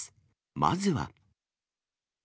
まずは。